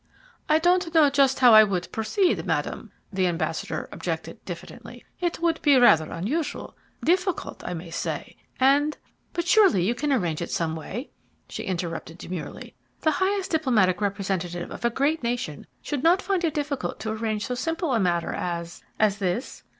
"I don't know just how I would proceed, Madam," the ambassador objected diffidently. "It would be rather unusual, difficult, I may say, and " "But surely you can arrange it some way?" she interrupted demurely. "The highest diplomatic representative of a great nation should not find it difficult to arrange so simple a matter as as this?"